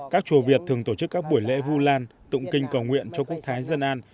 các chùa việt thường tổ chức các buổi lễ vu lan tụng kinh cầu nguyện cho quốc thái dân an